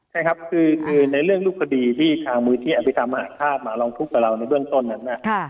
ใช่ครับคือคือในเรื่องลูกคดีที่ทางมือที่อาธิตามหาภาพมาลองทุกข์กับเราในเรื่องต้นนั้นเนี่ย